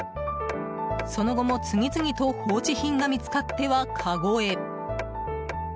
その後も、次々と放置品が見つかってはかごへ。